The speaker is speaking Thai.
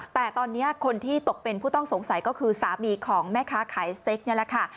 แต่ตอนนี้คนที่ตกเป็นผู้ต้องสงสัยก็คือสามีของแม่ค้าขายสเต็กนี่แหละค่ะ